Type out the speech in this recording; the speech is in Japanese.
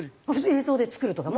映像で作るとか。